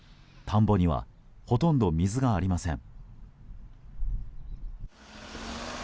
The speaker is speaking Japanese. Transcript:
田んぼにはほとんど水がありません。